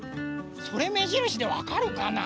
それめじるしでわかるかな？